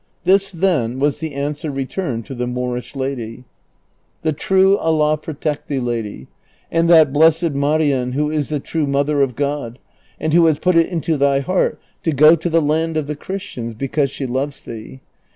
This, then, was the answer returned to the Moorish lady :" The true Allah protect thee, Lad}', and that blessed ]Marien who is the true mother of God, and who has put it into thy heart to go to the land of the Christians, because she loves thee.